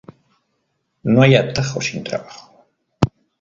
No hay atajo sin trabajo